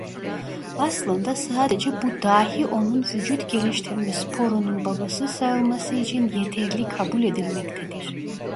Aslında sadece bu dâhi onun vücut geliştirme sporunun babası sayılması için yeterli kabul edilmektedir.